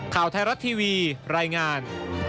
ข่าวไทยรัฐทีวีรายงาน